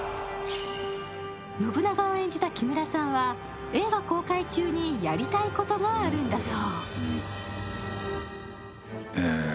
信長を演じた木村さんは、映画公開中にやりたいことがあるんだそう。